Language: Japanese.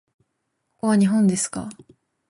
ここは日本ですか？